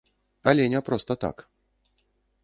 Але не проста так.